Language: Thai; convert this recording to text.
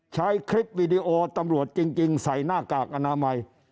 ใช้คลิปวิดีโอตำรวจจริงใส่หน้ากากอนามัย